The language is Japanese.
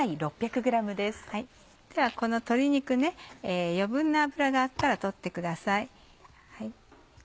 では鶏肉余分な脂があったら取ってください。